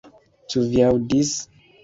Ĉu vi aŭdis?